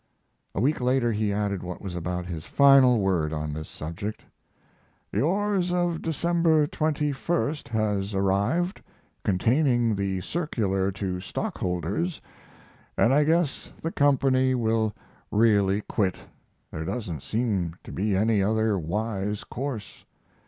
A week later he added what was about his final word on the subject: Yours of December 21 has arrived, containing the circular to stockholders, and I guess the Co. will really quit there doesn't seem to be any other wise course.